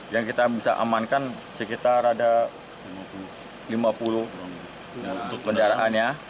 yang kita bisa amankan sekitar ada lima puluh benderaannya